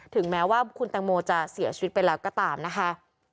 ถึงแม้ว่าคุณแตงโมจะเสียชีวิตไปแล้วก็ตามนะคะ